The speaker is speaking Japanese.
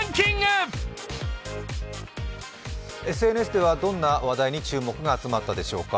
ＳＮＳではどんな話題に注目が集まったでしょうか。